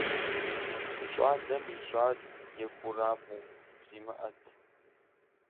Щӏалэм ищӏар екӏурабгъу зимыӏэт.